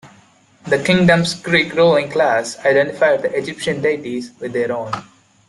The kingdom's Greek ruling class identified the Egyptian deities with their own.